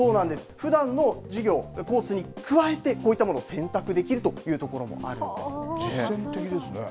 ふだんの授業、コースに加えてこういったものも選択できるというのもあるんです。